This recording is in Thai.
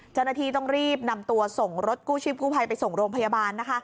เจ้าหน้าที่ต้องรีบนำตัวส่งรถกู้ชีพกู้ภัยไปส่งโรงพยาบาลนะคะ